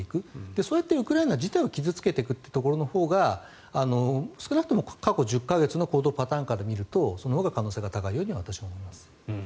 そうやってウクライナ自体を傷付けていくということのほうが少なくとも過去１０か月の行動パターンから見るとそのほうが可能性が高いように私は思います。